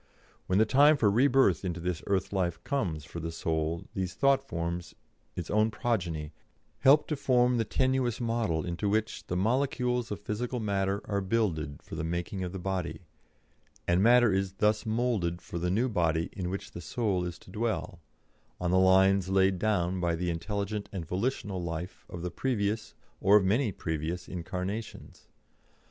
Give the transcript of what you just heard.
When the time for rebirth into this earth life comes for the soul these thought forms, its own progeny, help to form the tenuous model into which the molecules of physical matter are builded for the making of the body, and matter is thus moulded for the new body in which the soul is to dwell, on the lines laid down by the intelligent and volitional life of the previous, or of many previous, incarnations.